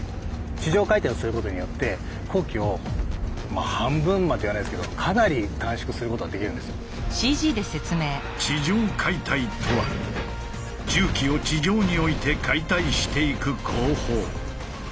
地上解体をすることによって工期をまあ半分までは言わないですけど地上解体とは重機を地上に置いて解体していく工法。